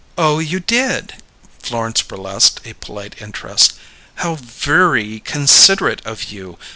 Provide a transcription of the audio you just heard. "Oh, you did?" Florence burlesqued a polite interest. "How _vir_ry considerate of you!